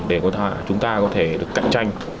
để chúng ta có thể cạnh tranh